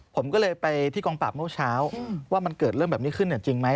ผมก็เลยไปที่กองปราบเมื่อเช้าว่ามันเกิดเรื่องแบบนี้ขึ้นจริงไหม